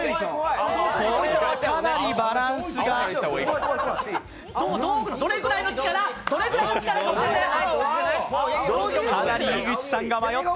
これはかなりバランスがどれぐらいの力か教えて！